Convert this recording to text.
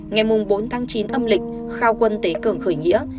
ngày bốn tháng chín âm lịch khao quân tế cường khởi nghĩa